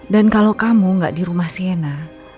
dan kalau kamu gak di rumah sienna